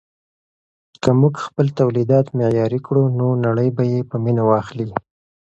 که موږ خپل تولیدات معیاري کړو نو نړۍ به یې په مینه واخلي.